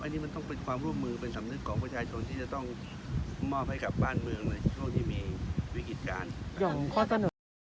อันนี้มันต้องเป็นความร่วมมือเป็นสำนึกของประชาชนที่จะต้องมอบให้กับบ้านเมืองในช่วงที่มีวิกฤติการส่งข้อเสนอ